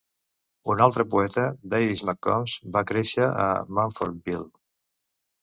Un altra poeta, Davis McCombs, va créixer a Munfordville.